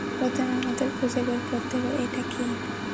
প্রথমে আমাদের খুঁজে বের করতে হবে এটা কি?